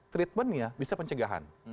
treatmentnya bisa pencegahan